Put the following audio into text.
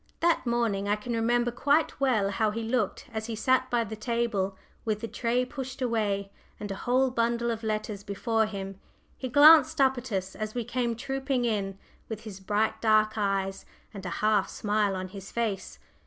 That morning I can remember quite well how he looked as he sat by the table, with the tray pushed away, and a whole bundle of letters before him. He glanced up at us as we came trooping in, with his bright dark eyes and a half smile on his face.